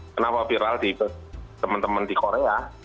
kenapa viral di teman teman di korea